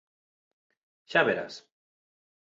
Xa verás.